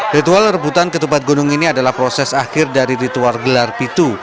ritual rebutan ketupat gunung ini adalah proses akhir dari ritual gelar pitu